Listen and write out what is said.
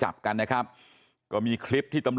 หกสิบล้านหกสิบล้านหกสิบล้านหกสิบล้าน